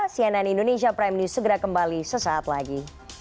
cnn indonesia prime news segera kembali sesaat lagi